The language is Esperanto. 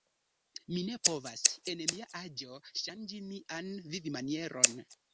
Mi ne povas, en mia aĝo, ŝanĝi mian vivmanieron.